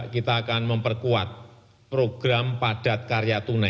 kita akan memperkuat program padat karya tunai